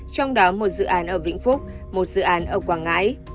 trong đó một dự án ở vĩnh phúc một dự án ở quảng ngãi